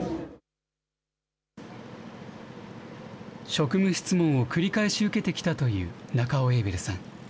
職務質問を繰り返し受けてきたという、中尾英鈴さん。